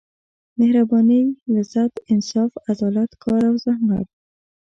مهربانۍ لذت انصاف عدالت کار او زحمت.